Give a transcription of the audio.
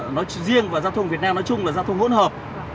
giao thông riêng và giao thông việt nam nói chung là giao thông hỗn hợp